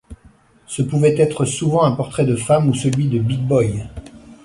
Ce pouvait être souvent un portrait de femme ou celui de Big Boy.